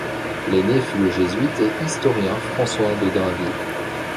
L'aîné fut le jésuite et historien François de Dainville.